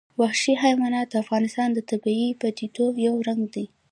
وحشي حیوانات د افغانستان د طبیعي پدیدو یو رنګ دی.